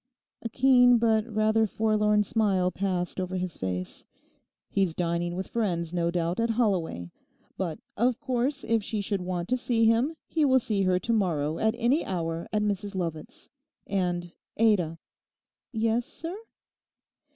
A keen but rather forlorn smile passed over his face. 'He's dining with friends no doubt at Holloway. But of course if she should want to see him he will see her to morrow at any hour at Mrs Lovat's. And—Ada!' 'Yes, sir?